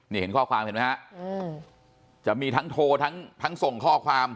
นี่เห็นข้อความเห็นไหมฮะจะมีทั้งโทรทั้งส่งข้อความ